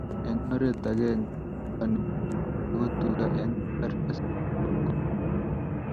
eng oret age, yonegei biik ago tuga eng imbar asigonyor kokeis